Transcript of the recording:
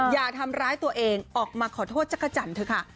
อย่าทำร้ายตัวเองออกมาขอโทษจักรจันทร์เถอะค่ะ